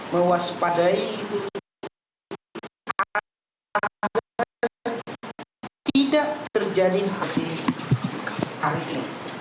mewaspadai agar tidak terjadi hal ini